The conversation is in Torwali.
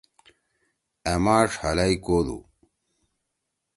أ ماݜ ہلَئی کودُو۔